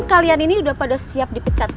kalian ini udah pada siap dipecat